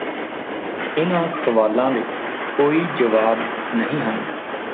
ਇਨ੍ਹਾਂ ਸਵਾਲਾਂ ਦੇ ਕੋਈ ਜਵਾਬ ਨਹੀਂ ਹਨ